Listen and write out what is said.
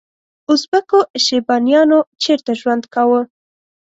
ازبکو شیبانیانو چیرته ژوند کاوه؟